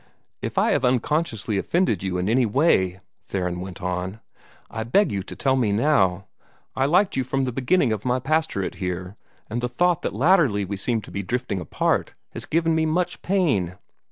"If I have unconsciously offended you in any way," Theron went on, "I beg you to tell me how. I liked you from the beginning of my pastorate here, and the thought that latterly we seemed to be drifting apart has given me much pain.